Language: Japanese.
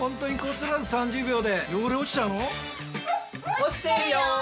落ちてるよ！